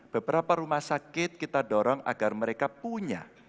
beberapa rumah sakit kita dorong agar mereka punya